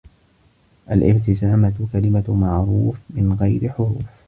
الإبتسامة كلمة معروف من غير حروف.